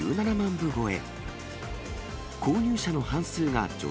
部超え。